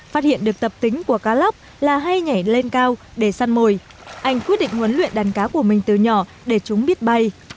phát hiện được tập tính của cá lóc là hay nhảy lên cao để săn mồi anh quyết định huấn luyện đàn cá của mình từ nhỏ để chúng biết bay